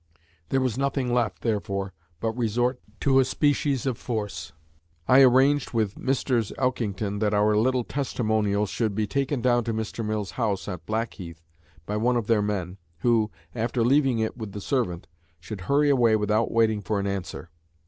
There was nothing left, therefore, but resort to a species of force. I arranged with Messrs. Elkington that our little testimonial should be taken down to Mr. Mill's house at Blackheath by one of their men, who, after leaving it with the servant, should hurry away without waiting for an answer.